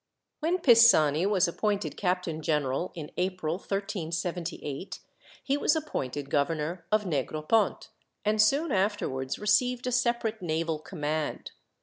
When Pisani was appointed captain general, in April, 1378, he was appointed governor of Negropont, and soon afterwards received a separate naval command.